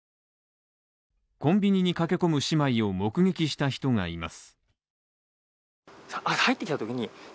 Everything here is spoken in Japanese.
コンビニに駆け込む姉妹を目撃した人がいます。